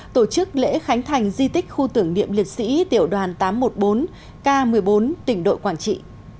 tổ chức lễ khánh thành di tích khu tưởng niệm liệt sĩ tiểu đoàn tám trăm một mươi bốn k một mươi bốn tỉnh đội quảng trị